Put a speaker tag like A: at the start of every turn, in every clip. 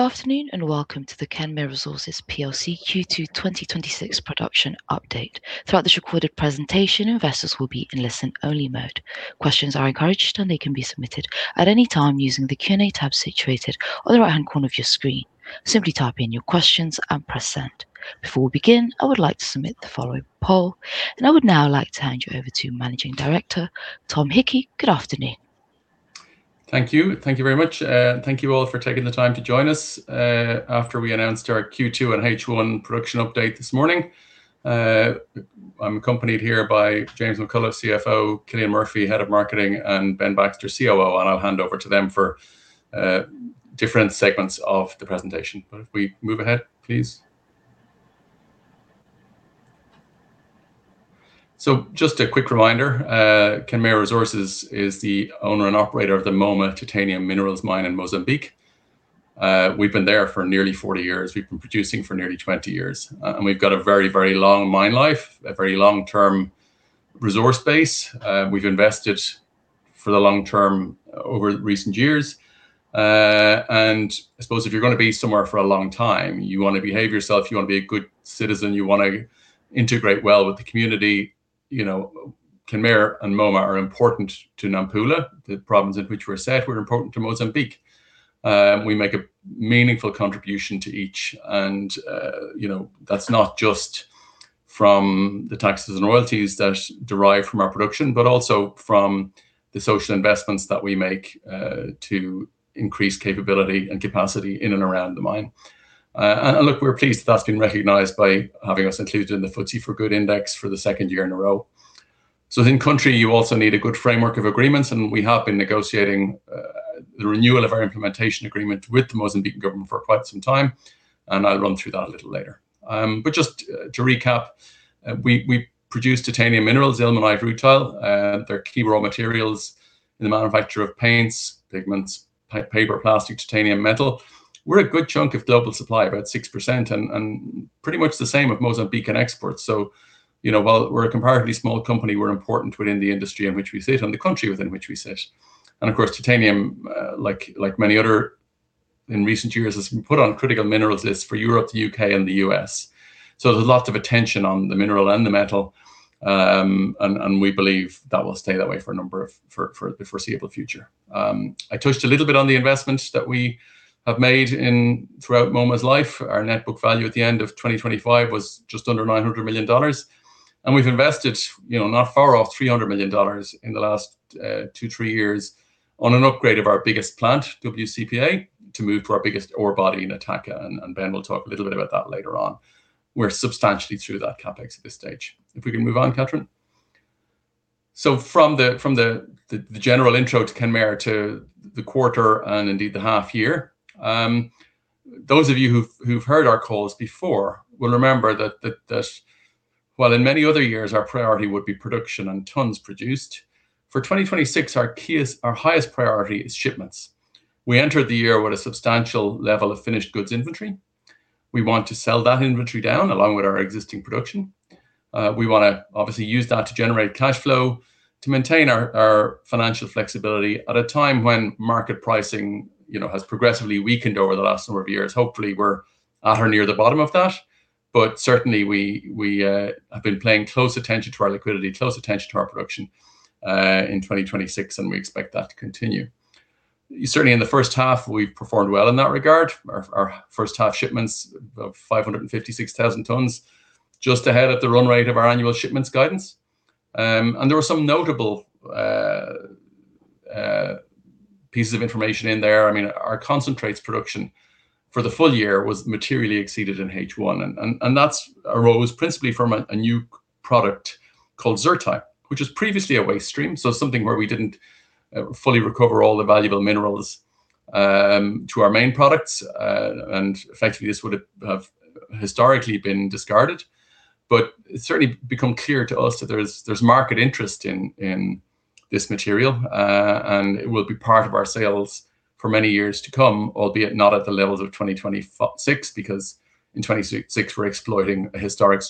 A: Good afternoon, welcome to the Kenmare Resources Plc Q2 2026 production update. Throughout this recorded presentation, investors will be in listen-only mode. Questions are encouraged, they can be submitted at any time using the Q&A tab situated on the right-hand corner of your screen. Simply type in your questions and press send. Before we begin, I would like to submit the following poll. I would now like to hand you over to Managing Director, Tom Hickey. Good afternoon.
B: Thank you. Thank you very much. Thank you all for taking the time to join us after we announced our Q2 and H1 production update this morning. I'm accompanied here by James McCullough, CFO, Cillian Murphy, Head of Marketing, and Ben Baxter, COO, and I'll hand over to them for different segments of the presentation. If we move ahead, please. Just a quick reminder, Kenmare Resources is the owner and operator of the Moma Titanium Minerals Mine in Mozambique. We've been there for nearly 40 years. We've been producing for nearly 20 years. We've got a very, very long mine life, a very long-term resource base. We've invested for the long term over recent years. I suppose if you're going to be somewhere for a long time, you want to behave yourself. You want to be a good citizen. You want to integrate well with the community. Kenmare and Moma are important to Nampula, the province in which we're set. We're important to Mozambique. We make a meaningful contribution to each, and that's not just from the taxes and royalties that derive from our production, but also from the social investments that we make to increase capability and capacity in and around the mine. Look, we're pleased that that's been recognized by having us included in the FTSE4Good Index for the second year in a row. Country, you also need a good framework of agreements, and we have been negotiating the renewal of our Implementation Agreement with the Mozambique government for quite some time, and I'll run through that a little later. Just to recap, we produce titanium minerals, ilmenite and rutile. They're key raw materials in the manufacture of paints, pigments, paper, plastic, titanium metal. We're a good chunk of global supply, about 6%, and pretty much the same of Mozambique and exports. While we're a comparatively small company, we're important within the industry in which we sit and the country within which we sit. Of course, titanium, like many others in recent years, has been put on critical minerals lists for Europe, the U.K., and the U.S. There's lots of attention on the mineral and the metal, and we believe that will stay that way for the foreseeable future. I touched a little bit on the investment that we have made throughout Moma's life. Our net book value at the end of 2025 was just under $900 million. We've invested not far off $300 million in the last two, three years on an upgrade of our biggest plant, WCP A, to move to our biggest ore body in Nataka. Ben will talk a little bit about that later on. We're substantially through that CapEx at this stage. If we can move on, Katharine. From the general intro to Kenmare to the quarter, and indeed the half year. Those of you who've heard our calls before will remember that while in many other years our priority would be production and tons produced, for 2026, our highest priority is shipments. We entered the year with a substantial level of finished goods inventory. We want to sell that inventory down along with our existing production. We want to obviously use that to generate cash flow to maintain our financial flexibility at a time when market pricing has progressively weakened over the last number of years. Hopefully, we're at or near the bottom of that, but certainly we have been paying close attention to our liquidity, close attention to our production, in 2026, and we expect that to continue. Certainly, in the first half, we've performed well in that regard. Our first-half shipments of 556,000 tons just ahead at the run rate of our annual shipments guidance. There were some notable pieces of information in there. Our concentrates production for the full year was materially exceeded in H1, and that arose principally from a new product called ZrTi, which was previously a waste stream. Something where we didn't fully recover all the valuable minerals to our main products, and effectively this would have historically been discarded. It's certainly become clear to us that there's market interest in this material, and it will be part of our sales for many years to come, albeit not at the levels of 2026, because in 2026, we're exploiting a historic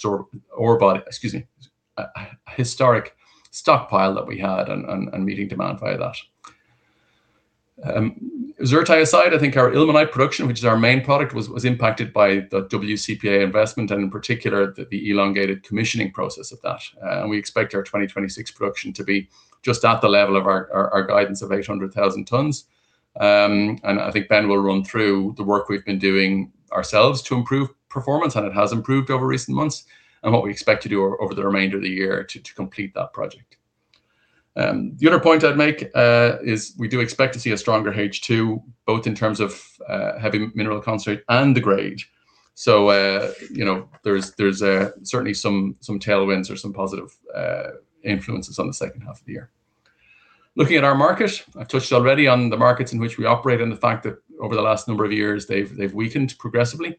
B: stockpile that we had and meeting demand via that. ZrTi aside, I think our ilmenite production, which is our main product, was impacted by the WCP A investment and in particular the elongated commissioning process of that. We expect our 2026 production to be just at the level of our guidance of 800,000 tons. I think Ben will run through the work we've been doing ourselves to improve performance, and it has improved over recent months, and what we expect to do over the remainder of the year to complete that project. The other point I'd make is we do expect to see a stronger H2, both in terms of heavy mineral concentrate and the grade. There's certainly some tailwinds or some positive influences on the second half of the year. Looking at our market, I've touched already on the markets in which we operate and the fact that over the last number of years, they've weakened progressively.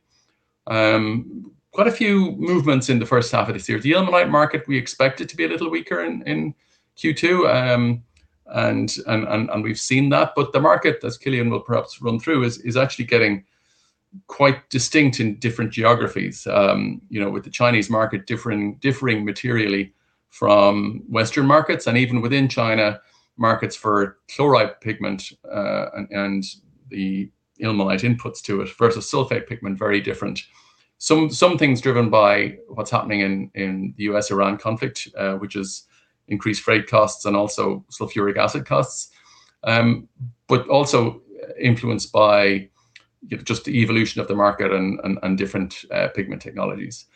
B: Quite a few movements in the first half of this year. The ilmenite market, we expect it to be a little weaker in Q2. The market, as Cillian will perhaps run through, is actually getting quite distinct in different geographies, with the Chinese market differing materially from Western markets and even within China, markets for chloride pigment and the ilmenite inputs to it versus sulfate pigment, very different. Some things driven by what's happening in the U.S.-Iran conflict, which is increased freight costs and also sulfuric acid costs. Also influenced by just the evolution of the market and different pigment technologies.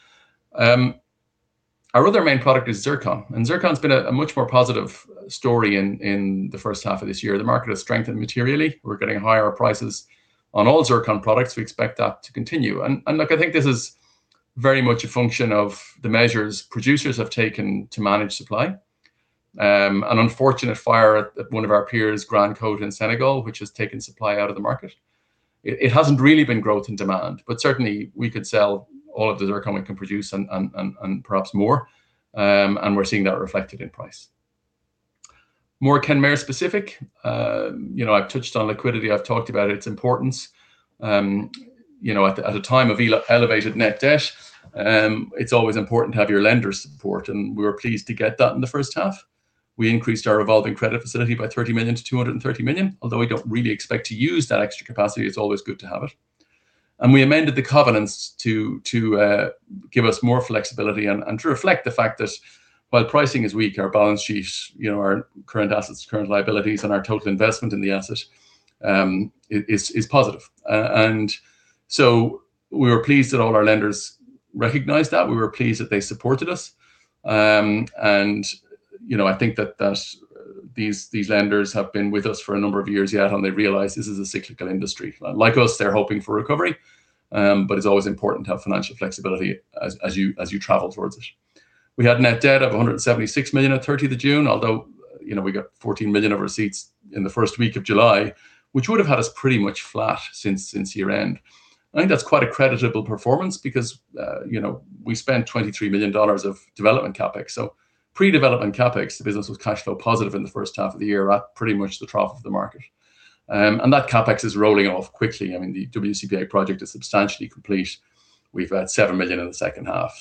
B: Our other main product is zircon, and zircon's been a much more positive story in the first half of this year. The market has strengthened materially. We're getting higher prices on all zircon products. We expect that to continue. Look, I think this is very much a function of the measures producers have taken to manage supply. An unfortunate fire at one of our peers, Grande Côte in Senegal, which has taken supply out of the market. It hasn't really been growth in demand, but certainly we could sell all of the zircon we can produce and perhaps more, and we're seeing that reflected in price. More Kenmare specific. I've touched on liquidity, I've talked about its importance. At a time of elevated net debt, it's always important to have your lenders' support, and we were pleased to get that in the first half. We increased our revolving credit facility by $30 million-$230 million. Although we don't really expect to use that extra capacity, it's always good to have it. We amended the covenants to give us more flexibility and to reflect the fact that while pricing is weak, our balance sheets, our current assets, current liabilities, and our total investment in the asset is positive. We were pleased that all our lenders recognized that. We were pleased that they supported us. I think that these lenders have been with us for a number of years yet, and they realize this is a cyclical industry. Like us, they're hoping for recovery, but it's always important to have financial flexibility as you travel towards it. We had net debt of $176 million at June 30th, although we got $14 million of receipts in the first week of July, which would have had us pretty much flat since year-end. I think that's quite a creditable performance because we spent $23 million of development CapEx. Pre-development CapEx, the business was cash flow positive in the first half of the year at pretty much the trough of the market. That CapEx is rolling off quickly. The WCP A project is substantially complete. We've had $7 million in the second half.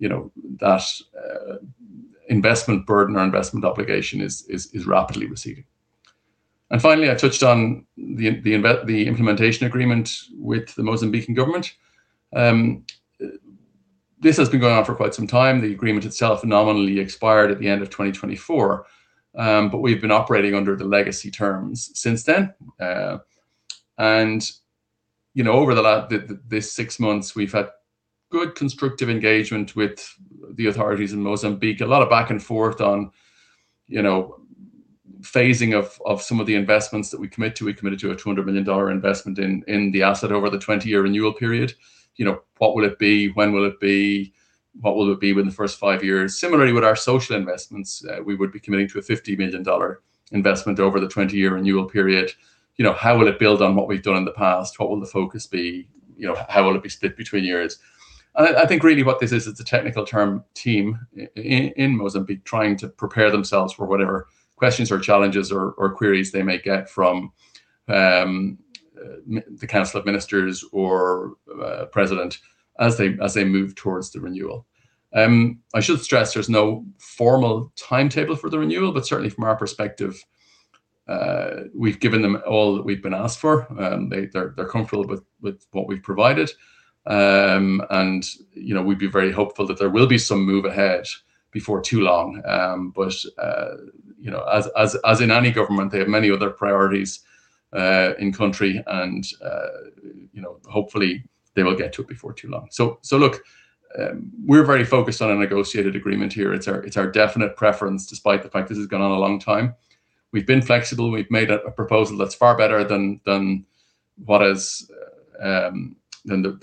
B: That investment burden or investment obligation is rapidly receding. Finally, I touched on the Implementation Agreement with the Mozambican government. This has been going on for quite some time. The agreement itself nominally expired at the end of 2024. We've been operating under the legacy terms since then. Over this six months, we've had good constructive engagement with the authorities in Mozambique, a lot of back and forth on phasing of some of the investments that we commit to. We committed to a $200 million investment in the asset over the 20-year renewal period. What will it be? When will it be? What will it be within the first five years? Similarly, with our social investments, we would be committing to a $50 million investment over the 20-year renewal period. How will it build on what we've done in the past? What will the focus be? How will it be split between years? I think really what this is, it's a technical team in Mozambique trying to prepare themselves for whatever questions or challenges or queries they may get from the Council of Ministers or President as they move towards the renewal. I should stress there's no formal timetable for the renewal, certainly from our perspective, we've given them all that we've been asked for. They're comfortable with what we've provided. We'd be very hopeful that there will be some move ahead before too long. As in any government, they have many other priorities in country and hopefully they will get to it before too long. We're very focused on a negotiated agreement here. It's our definite preference, despite the fact this has gone on a long time. We've been flexible. We've made a proposal that's far better than the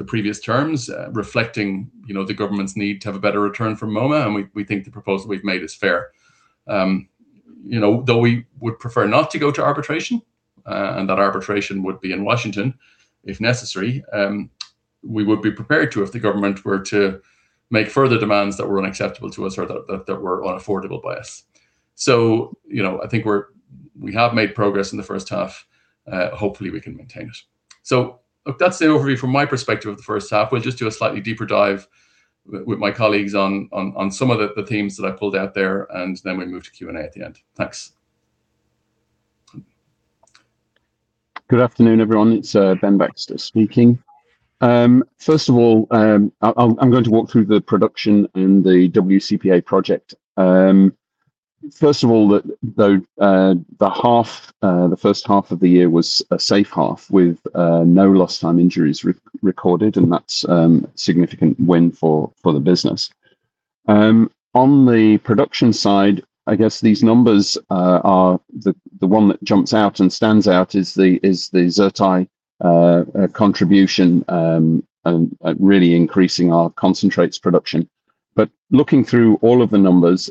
B: previous terms, reflecting the government's need to have a better return for Moma, and we think the proposal we've made is fair. Though we would prefer not to go to arbitration, and that arbitration would be in Washington if necessary, we would be prepared to if the government were to make further demands that were unacceptable to us or that were unaffordable by us. I think we have made progress in the first half. Hopefully, we can maintain it. That's the overview from my perspective of the first half. We'll just do a slightly deeper dive with my colleagues on some of the themes that I pulled out there, then we move to Q&A at the end. Thanks.
C: Good afternoon, everyone. It's Ben Baxter speaking. First of all, I'm going to walk through the production in the WCP A project. First of all, though, the first half of the year was a safe half with no lost time injuries recorded, that's a significant win for the business. On the production side, I guess these numbers are the one that jumps out and stands out is the ZrTi contribution really increasing our concentrates production. Looking through all of the numbers,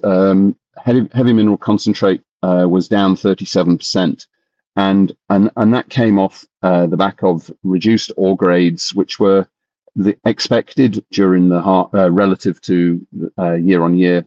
C: heavy mineral concentrate was down 37%, that came off the back of reduced ore grades, which were expected during the relative to year-over-year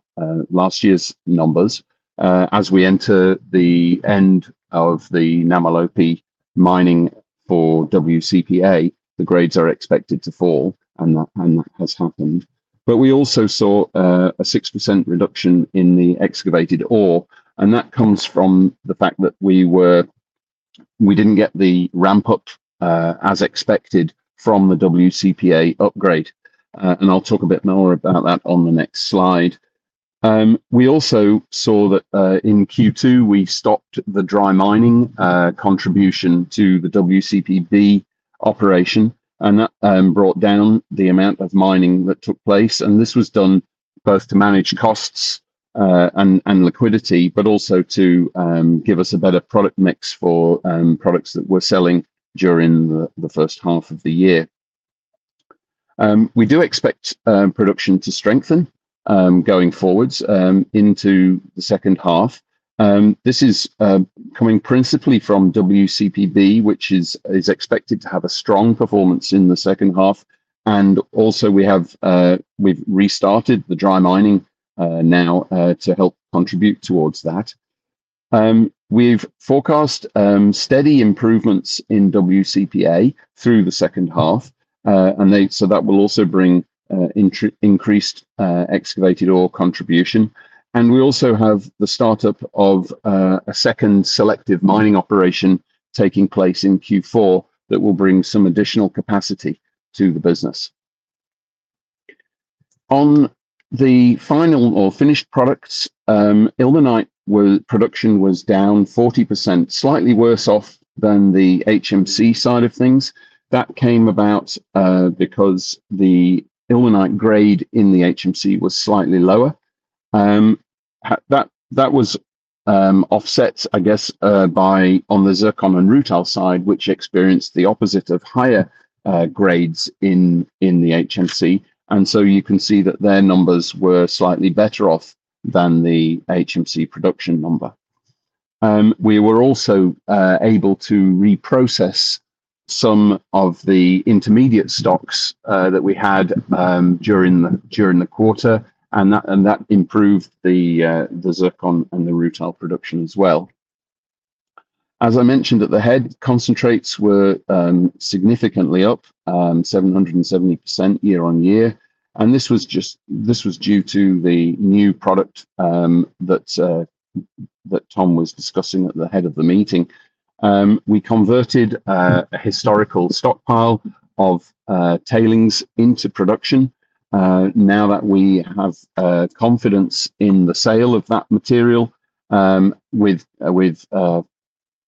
C: last year's numbers. As we enter the end of the Namalope mining for WCP A, the grades are expected to fall, that has happened. We also saw a 6% reduction in the excavated ore, and that comes from the fact that we didn't get the ramp-up as expected from the WCP A upgrade. I'll talk a bit more about that on the next slide. We also saw that in Q2, we stopped the dry mining contribution to the WCP B operation and that brought down the amount of mining that took place. This was done both to manage costs and liquidity, but also to give us a better product mix for products that we're selling during the first half of the year. We do expect production to strengthen going forwards into the second half. This is coming principally from WCP B, which is expected to have a strong performance in the second half. Also we've restarted the dry mining now to help contribute towards that. We've forecast steady improvements in WCP A through the second half. That will also bring increased excavated ore contribution. We also have the startup of a second selective mining operation taking place in Q4 that will bring some additional capacity to the business. On the final or finished products, ilmenite production was down 40%, slightly worse off than the HMC side of things. That came about because the ilmenite grade in the HMC was slightly lower. That was offset, I guess, by on the zircon and rutile side, which experienced the opposite of higher grades in the HMC. You can see that their numbers were slightly better off than the HMC production number. We were also able to reprocess some of the intermediate stocks that we had during the quarter and that improved the zircon and the rutile production as well. As I mentioned at the head, concentrates were significantly up 770% year-on-year. This was due to the new product that Tom was discussing at the head of the meeting. We converted a historical stockpile of tailings into production. Now that we have confidence in the sale of that material with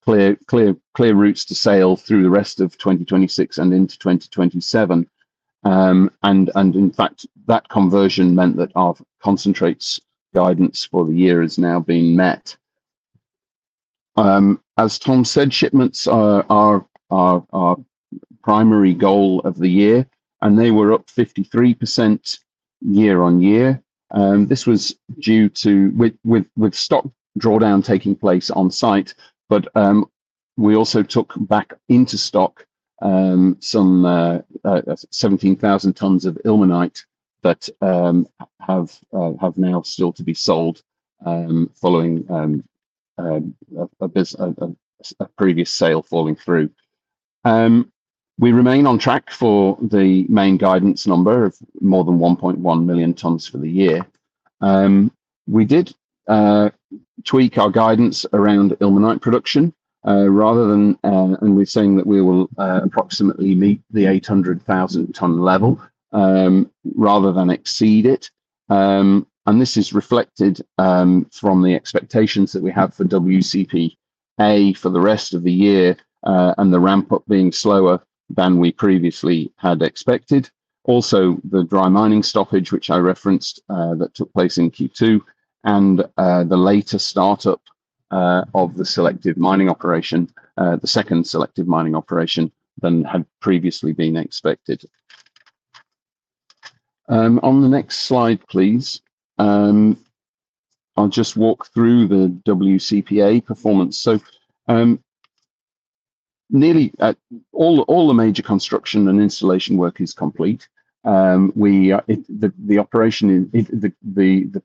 C: clear routes to sale through the rest of 2026 and into 2027. In fact, that conversion meant that our concentrates guidance for the year is now being met. As Tom said, shipments are our primary goal of the year, and they were up 53% year-on-year. This was due to with stock drawdown taking place on site, but we also took back into stock some 17,000 tons of ilmenite that have now still to be sold following a previous sale falling through. We remain on track for the main guidance number of more than 1.1 million tons for the year. We did tweak our guidance around ilmenite production rather than. We're saying that we will approximately meet the 800,000 ton level rather than exceed it. This is reflected from the expectations that we have for WCP A for the rest of the year, and the ramp-up being slower than we previously had expected. Also, the dry mining stoppage, which I referenced, that took place in Q2 and the later startup of the selective mining operation, the second selective mining operation than had previously been expected. On the next slide, please. I'll just walk through the WCP A performance. Nearly all the major construction and installation work is complete. The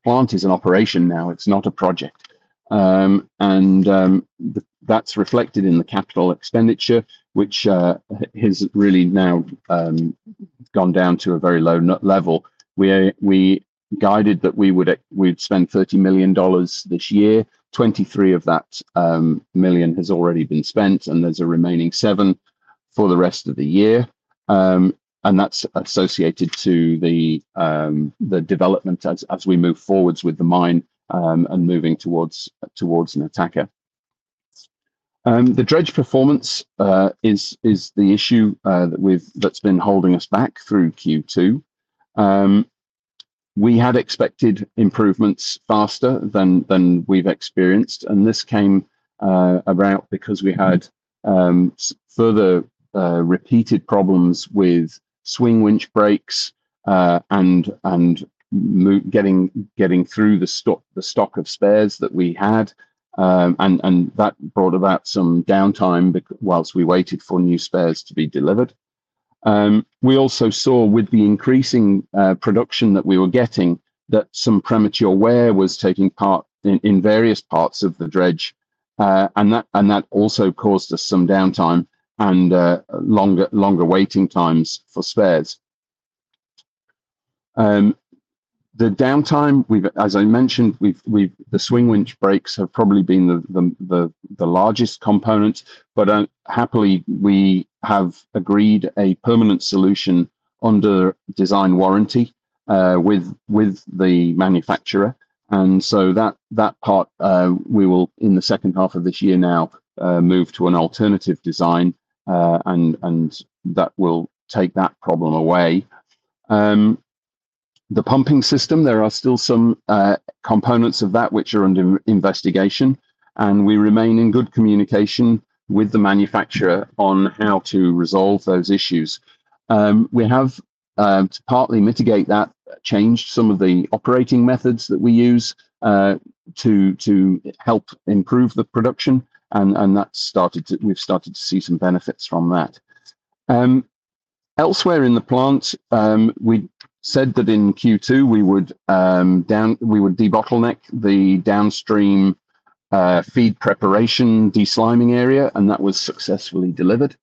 C: plant is in operation now, it's not a project. That is reflected in the CapEx, which has really now gone down to a very low level. We guided that we would spend $30 million this year, $23 million of that has already been spent, and there is a remaining $7 million for the rest of the year. That is associated to the development as we move forward with the mine and moving towards Nataka. The dredge performance is the issue that has been holding us back through Q2. We had expected improvements faster than we have experienced, and this came about because we had further repeated problems with swing winch breaks and getting through the stock of spares that we had. That brought about some downtime while we waited for new spares to be delivered. We also saw with the increasing production that we were getting, that some premature wear was taking place in various parts of the dredge. That also caused us some downtime and longer waiting times for spares. The downtime, as I mentioned, the swing winch brakes have probably been the largest component, but happily, we have agreed a permanent solution under design warranty with the manufacturer. That part, we will in the second half of this year now, move to an alternative design, and that will take that problem away. The pumping system, there are still some components of that which are under investigation, and we remain in good communication with the manufacturer on how to resolve those issues. We have, to partly mitigate that, changed some of the operating methods that we use to help improve the production, and we have started to see some benefits from that. Elsewhere in the plant, we said that in Q2 we would debottleneck the downstream feed preparation desliming area, and that was successfully delivered.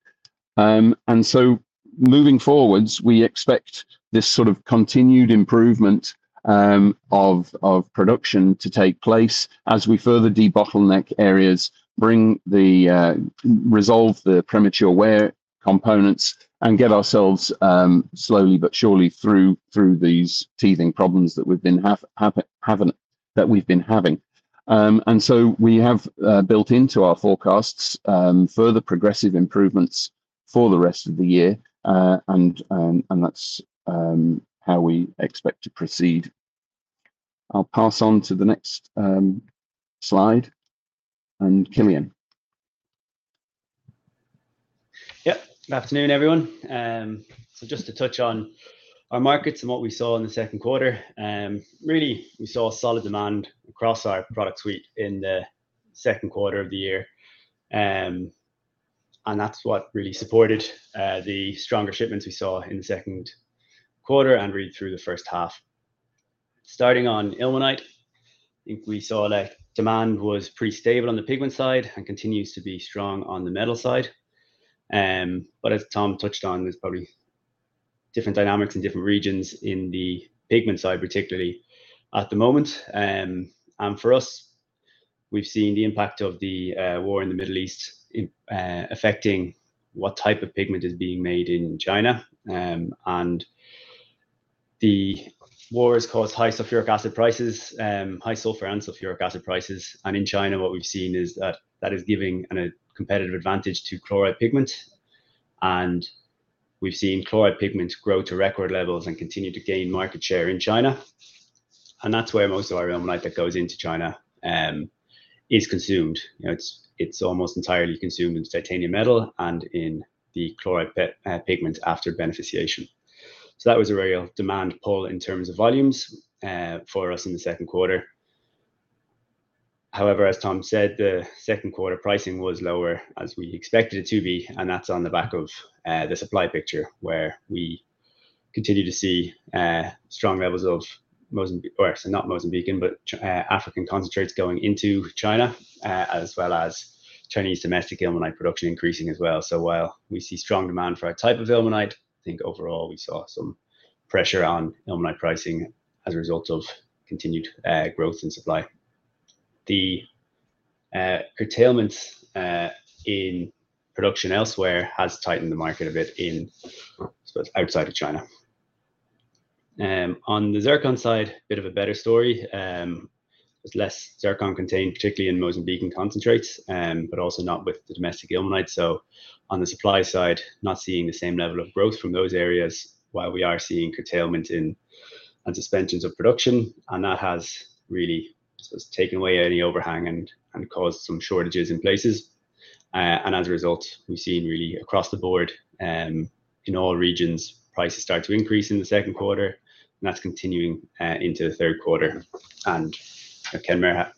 C: Moving forward, we expect this sort of continued improvement of production to take place as we further debottleneck areas, resolve the premature wear components, and get ourselves slowly but surely through these teething problems that we have been having. We have built into our forecasts further progressive improvements for the rest of the year. That is how we expect to proceed. I will pass on to the next slide. Cillian.
D: Good afternoon, everyone. Just to touch on our markets and what we saw in the second quarter, really, we saw solid demand across our product suite in the second quarter of the year. That is what really supported the stronger shipments we saw in the second quarter and really through the first half. Starting on ilmenite, I think we saw that demand was pretty stable on the pigment side and continues to be strong on the metal side. As Tom touched on, there is probably different dynamics in different regions in the pigment side, particularly at the moment. For us, we have seen the impact of the war in the Middle East affecting what type of pigment is being made in China. The war has caused high sulfuric acid prices, high sulfur and sulfuric acid prices. In China, what we've seen is that is giving a competitive advantage to chloride pigment. We've seen chloride pigment grow to record levels and continue to gain market share in China. That's where most of our ilmenite that goes into China is consumed. It's almost entirely consumed in titanium metal and in the chloride pigment after beneficiation. That was a real demand pull in terms of volumes for us in the second quarter. However, as Tom said, the second quarter pricing was lower as we expected it to be, and that's on the back of the supply picture where we continue to see strong levels of not Mozambican, but African concentrates going into China, as well as Chinese domestic ilmenite production increasing as well. While we see strong demand for a type of ilmenite, I think overall we saw some pressure on ilmenite pricing as a result of continued growth in supply. The curtailments in production elsewhere has tightened the market a bit in, I suppose, outside of China. On the zircon side, bit of a better story. There's less zircon contained, particularly in Mozambican concentrates, but also not with the domestic ilmenite. On the supply side, not seeing the same level of growth from those areas, while we are seeing curtailment in and suspensions of production. That has really taken away any overhang and caused some shortages in places. As a result, we've seen really across the board in all regions, prices start to increase in the second quarter and that's continuing into the third quarter. Kenmare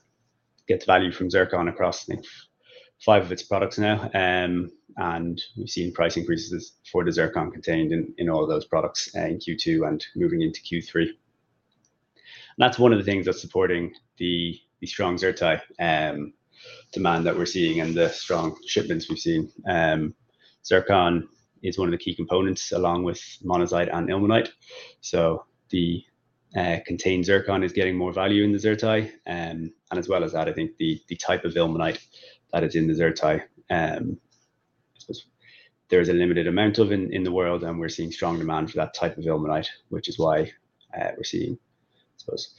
D: gets value from zircon across five of its products now. We've seen price increases for the zircon contained in all those products in Q2 and moving into Q3. That's one of the things that's supporting the strong ZrTi demand that we're seeing and the strong shipments we've seen. Zircon is one of the key components along with monazite and ilmenite. The contained zircon is getting more value in the ZrTi. As well as that, I think the type of ilmenite that is in the ZrTi, I suppose, there is a limited amount of in the world and we're seeing strong demand for that type of ilmenite, which is why we're seeing, I suppose,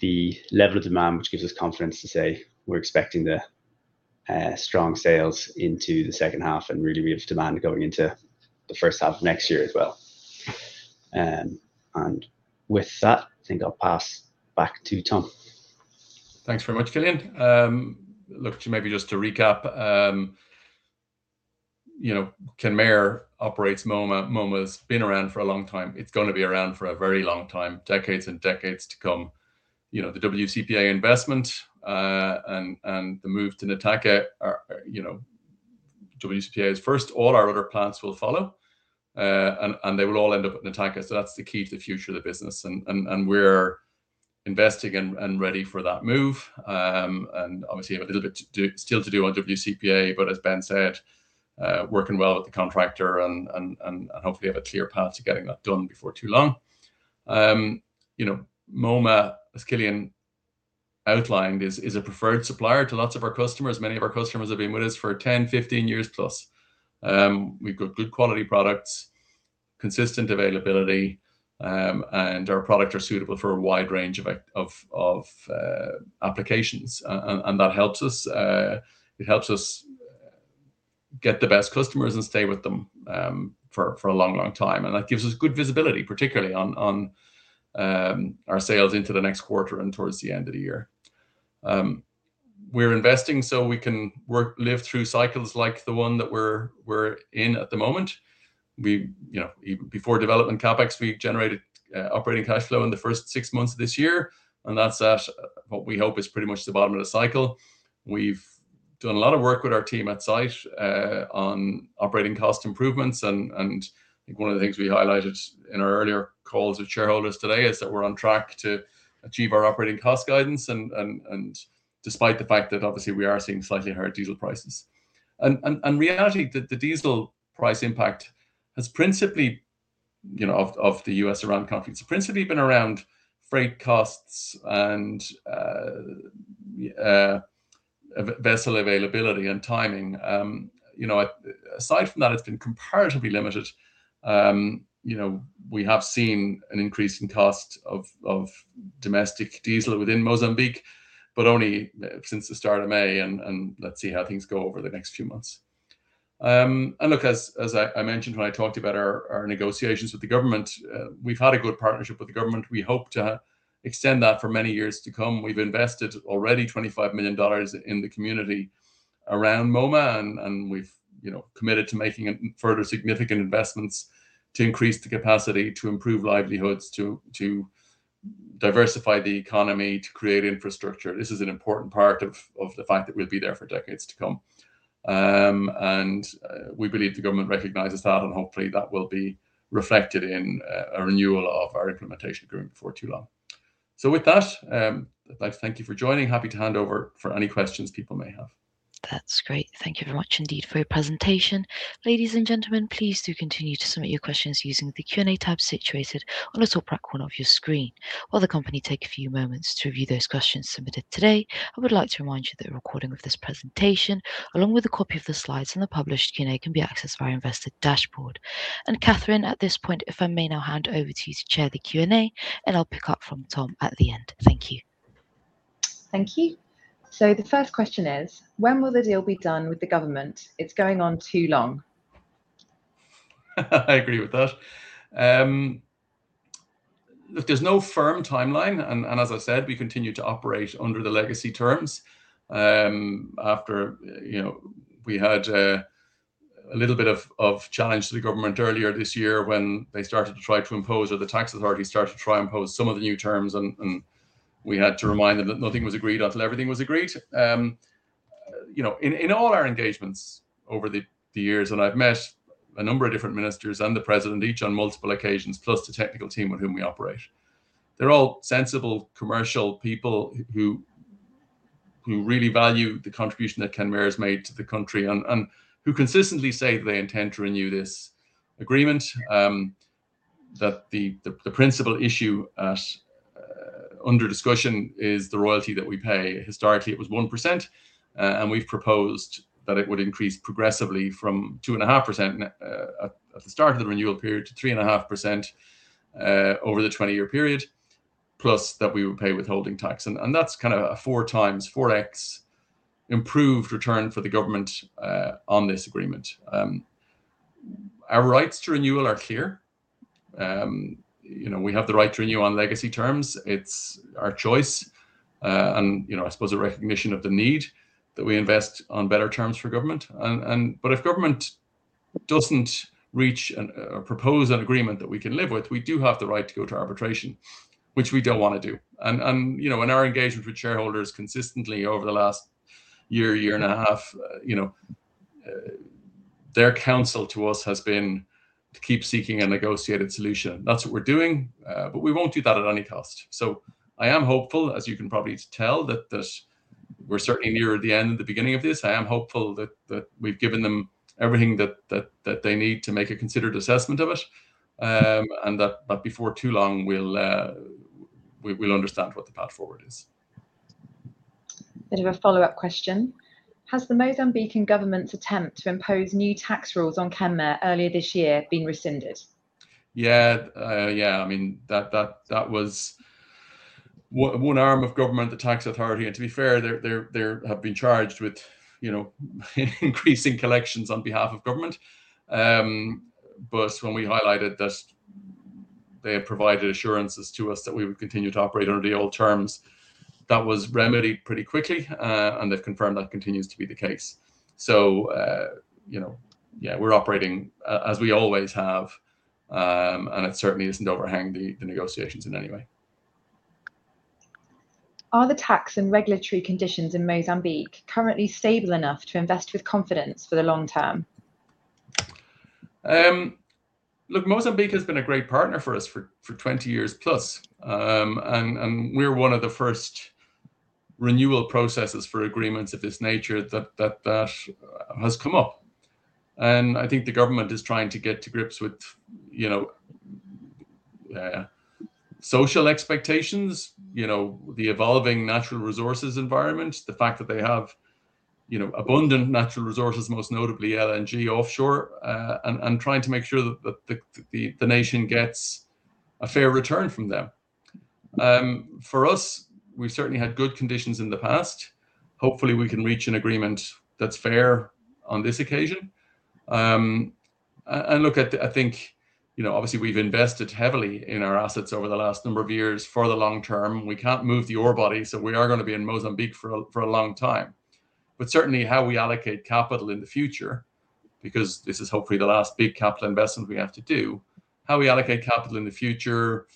D: the level of demand which gives us confidence to say we're expecting the strong sales into the second half and really, really good demand going into the first half of next year as well. With that, I think I'll pass back to Tom.
B: Thanks very much, Cillian. Look to maybe just to recap. Kenmare operates Moma. Moma's been around for a long time. It's going to be around for a very long time, decades and decades to come. The WCP A investment and the move to Nataka are WCP A's first. All our other plants will follow, and they will all end up in Nataka. That's the key to the future of the business, and we're investing and ready for that move. We obviously have a little bit still to do on WCP A, but as Ben said, working well with the contractor and hopefully have a clear path to getting that done before too long. Moma, as Cillian outlined, is a preferred supplier to lots of our customers. Many of our customers have been with us for 10, 15 years plus. We've got good quality products, consistent availability, and our products are suitable for a wide range of applications. That helps us get the best customers and stay with them for a long, long time. That gives us good visibility, particularly on our sales into the next quarter and towards the end of the year. We're investing so we can live through cycles like the one that we're in at the moment. Before development CapEx, we generated operating cash flow in the first six months of this year, that's at what we hope is pretty much the bottom of the cycle. We've done a lot of work with our team at site on operating cost improvements, I think one of the things we highlighted in our earlier calls with shareholders today is that we're on track to achieve our operating cost guidance despite the fact that obviously we are seeing slightly higher diesel prices. In reality, the diesel price impact of the U.S.-Iran conflict has principally been around freight costs and vessel availability and timing. Aside from that, it's been comparatively limited. We have seen an increase in cost of domestic diesel within Mozambique, but only since the start of May, let's see how things go over the next few months. Look, as I mentioned when I talked about our negotiations with the government, we've had a good partnership with the government. We hope to extend that for many years to come. We've invested already $25 million in the community around Moma, we've committed to making further significant investments to increase the capacity to improve livelihoods, to diversify the economy, to create infrastructure. This is an important part of the fact that we'll be there for decades to come. We believe the government recognizes that, and hopefully that will be reflected in a renewal of our Implementation Agreement before too long. With that, I'd like to thank you for joining. Happy to hand over for any questions people may have.
A: That's great. Thank you very much indeed for your presentation. Ladies and gentlemen, please do continue to submit your questions using the Q&A tab situated on the top right corner of your screen. While the company take a few moments to review those questions submitted today, I would like to remind you that a recording of this presentation, along with a copy of the slides and the published Q&A, can be accessed via investor dashboard. Katharine, at this point, if I may now hand over to you to chair the Q&A, and I'll pick up from Tom at the end. Thank you.
E: Thank you. The first question is: When will the deal be done with the government? It's going on too long.
B: I agree with that. Look, there's no firm timeline, and as I said, we continue to operate under the legacy terms. After we had a little bit of challenge to the government earlier this year when they started to try to impose, or the tax authority started to try and impose some of the new terms and we had to remind them that nothing was agreed until everything was agreed. In all our engagements over the years, and I've met a number of different ministers and the President, each on multiple occasions, plus the technical team with whom we operate. They're all sensible, commercial people who really value the contribution that Kenmare has made to the country, and who consistently say that they intend to renew this agreement. The principal issue under discussion is the royalty that we pay. Historically, it was 1%, and we've proposed that it would increase progressively from 2.5% at the start of the renewal period to 3.5% over the 20-year period. We would pay withholding tax, and that's kind of a 4x, 4x improved return for the government on this agreement. Our rights to renewal are clear. We have the right to renew on legacy terms. It's our choice, and I suppose a recognition of the need that we invest on better terms for government. If government doesn't reach or propose an agreement that we can live with, we do have the right to go to arbitration, which we don't want to do. In our engagement with shareholders consistently over the last year and a half, their counsel to us has been to keep seeking a negotiated solution. That's what we're doing. We won't do that at any cost. I am hopeful, as you can probably tell, that we're certainly nearer the end than the beginning of this. I am hopeful that we've given them everything that they need to make a considered assessment of it, and that before too long, we'll understand what the path forward is.
E: Bit of a follow-up question. Has the Mozambican government's attempt to impose new tax rules on Kenmare earlier this year been rescinded?
B: I mean, that was one arm of government, the tax authority. To be fair, they have been charged with increasing collections on behalf of government. When we highlighted that they had provided assurances to us that we would continue to operate under the old terms That was remedied pretty quickly, and they've confirmed that continues to be the case. We're operating as we always have, and it certainly isn't overhanging the negotiations in any way.
E: Are the tax and regulatory conditions in Mozambique currently stable enough to invest with confidence for the long term?
B: Look, Mozambique has been a great partner for us for 20 years plus. We're one of the first renewal processes for agreements of this nature that has come up. I think the government is trying to get to grips with social expectations. The evolving natural resources environment, the fact that they have abundant natural resources, most notably LNG offshore, trying to make sure that the nation gets a fair return from them. For us, we certainly had good conditions in the past. Hopefully, we can reach an agreement that's fair on this occasion. Look, I think obviously we've invested heavily in our assets over the last number of years for the long term. We can't move the ore bodies, so we are going to be in Mozambique for a long time. Certainly, how we allocate capital in the future, because this is hopefully the last big capital investment we have to do. How we allocate capital in the future,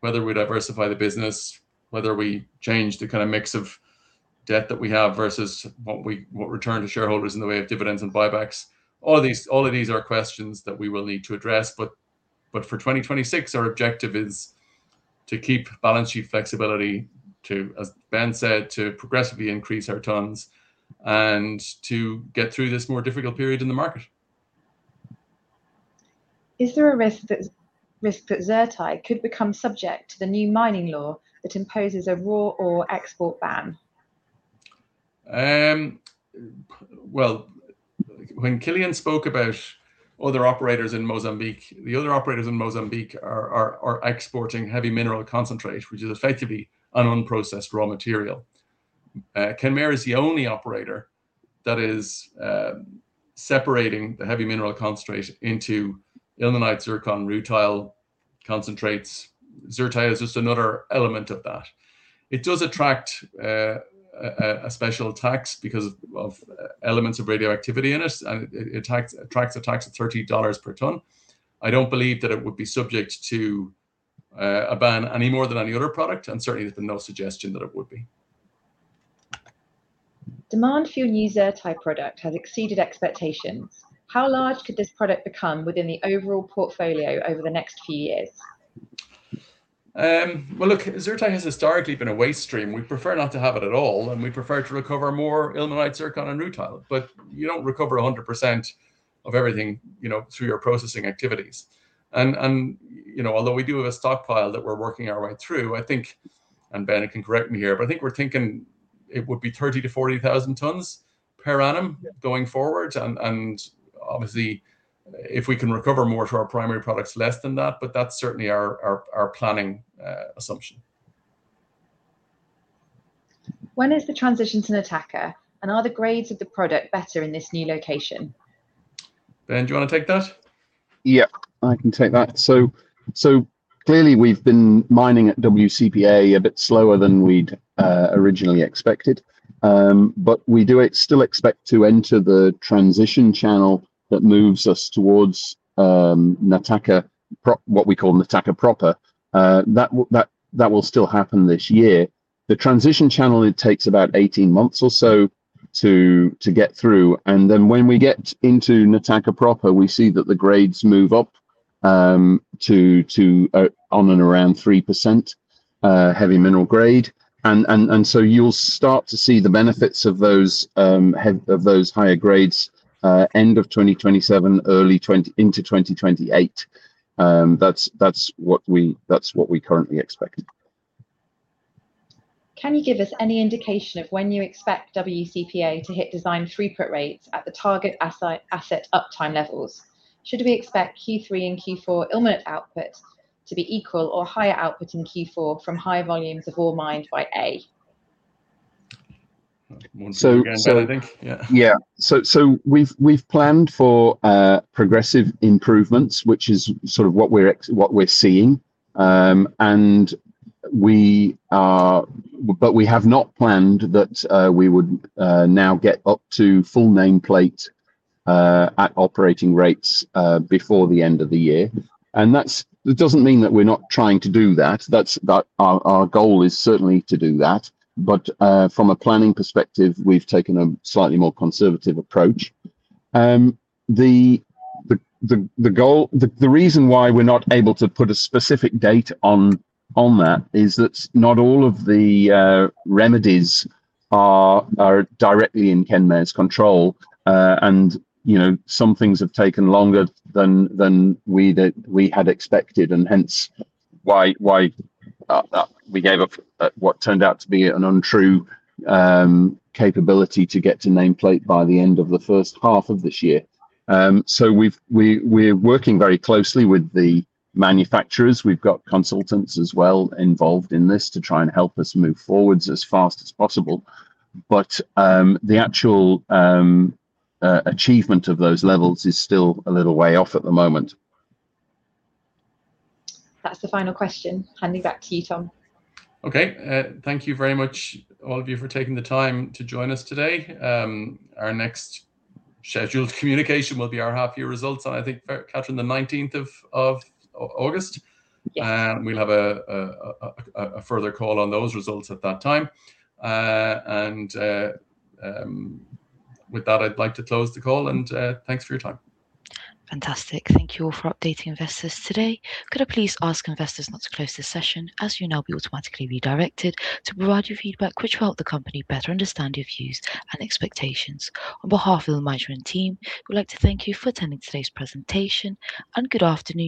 B: whether we diversify the business, whether we change the kind of mix of debt that we have versus what return to shareholders in the way of dividends and buybacks. All of these are questions that we will need to address, but for 2026, our objective is to keep balance sheet flexibility to, as Ben said, to progressively increase our tonnes and to get through this more difficult period in the market.
E: Is there a risk that ZrTi could become subject to the new mining law that imposes a raw ore export ban?
B: Well, when Cillian spoke about other operators in Mozambique, the other operators in Mozambique are exporting heavy mineral concentrate, which is effectively an unprocessed raw material. Kenmare is the only operator that is separating the heavy mineral concentrate into ilmenite, zircon, rutile concentrates. ZrTi is just another element of that. It does attract a special tax because of elements of radioactivity in it. It attracts a tax of $30 per tonne. I don't believe that it would be subject to a ban any more than any other product, and certainly there's been no suggestion that it would be.
E: Demand for your new ZrTi product has exceeded expectations. How large could this product become within the overall portfolio over the next few years?
B: Well, look, ZrTi has historically been a waste stream. We'd prefer not to have it at all, and we'd prefer to recover more ilmenite, zircon and rutile. You don't recover 100% of everything through your processing activities. Although we do have a stockpile that we're working our way through, I think, and Ben can correct me here, but I think we're thinking it would be 30,000 tonnes-40,000 tonnes per annum going forward. Obviously, if we can recover more of our primary products, less than that, but that's certainly our planning assumption.
E: When is the transition to Nataka, and are the grades of the product better in this new location?
B: Ben, do you want to take that?
C: Yeah, I can take that. Clearly we've been mining at WCP A a bit slower than we'd originally expected. But we do still expect to enter the transition channel that moves us towards what we call Nataka proper. That will still happen this year. The transition channel, it takes about 18 months or so to get through, and then when we get into Nataka proper, we see that the grades move up to on and around 3% heavy mineral grade. You'll start to see the benefits of those higher grades end of 2027, into 2028. That's what we currently expect.
E: Can you give us any indication of when you expect WCP A to hit design throughput rates at the target asset uptime levels? Should we expect Q3 and Q4 ilmenite output to be equal or higher output in Q4 from higher volumes of ore mined by A?
B: One for you again, Ben, I think. Yeah.
C: Yeah. We've planned for progressive improvements, which is sort of what we're seeing. We have not planned that we would now get up to full nameplate at operating rates before the end of the year. That doesn't mean that we're not trying to do that. Our goal is certainly to do that. From a planning perspective, we've taken a slightly more conservative approach. The reason why we're not able to put a specific date on that is that not all of the remedies are directly in Kenmare's control. Some things have taken longer than we had expected, and hence why we gave up what turned out to be an untrue capability to get to nameplate by the end of the first half of this year. We're working very closely with the manufacturers. We've got consultants as well involved in this to try and help us move forwards as fast as possible. The actual achievement of those levels is still a little way off at the moment.
E: That's the final question. Handing back to you, Tom.
B: Okay. Thank you very much, all of you, for taking the time to join us today. Our next scheduled communication will be our half-year results on, I think, Katharine, August 19th.
E: Yes.
B: We'll have a further call on those results at that time. With that, I'd like to close the call, and thanks for your time.
A: Fantastic. Thank you all for updating investors today. Could I please ask investors not to close this session, as you'll now be automatically redirected to provide your feedback which will help the company better understand your views and expectations. On behalf of the management team, we'd like to thank you for attending today's presentation, and good afternoon.